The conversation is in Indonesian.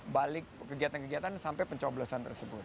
balik kegiatan kegiatan sampai pencoblosan tersebut